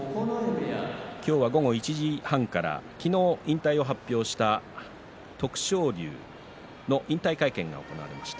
今日は午後１時半から昨日、引退を発表した徳勝龍の引退会見が行われました。